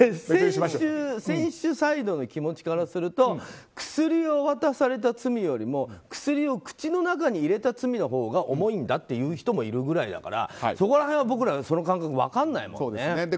選手サイドの気持ちからすると薬を渡された罪よりも薬を口の中に入れた罪のほうが重いんだっていう人もいるぐらいだからそこら辺はその感覚分からないもんね。